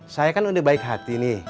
saya kan udah baik hati nih